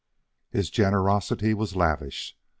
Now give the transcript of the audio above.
His generosity was lavish.